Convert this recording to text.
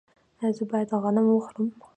ایا زه باید غنم وخورم؟